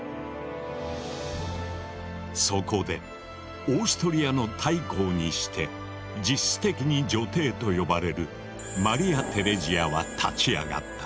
そこでオーストリアの大公にして実質的に女帝と呼ばれるマリア・テレジアは立ち上がった。